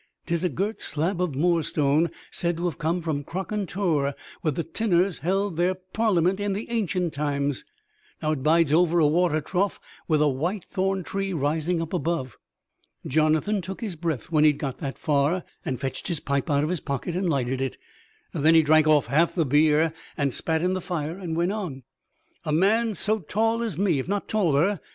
'Tis a gert slab of moorstone said to have come from Crokern Torr, where the tinners held theer parliament in the ancient times. Now it bides over a water trough with a white thorn tree rising up above. Jonathan took his breath when he'd got that far, and fetched his pipe out of his pocket and lighted it. Then he drank off half the beer, and spat in the fire, and went on. "A man so tall as me, if not taller.